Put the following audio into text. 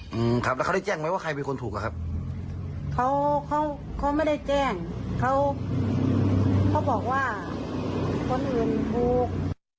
อืมครับแล้วเขาได้แจ้งไหมว่าใครเป็นคนถูกอ่ะครับเขาเขาไม่ได้แจ้งเขาเขาบอกว่าคนอื่นถูก